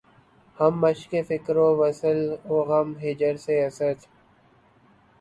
ہم مشقِ فکر وصل و غم ہجر سے‘ اسد!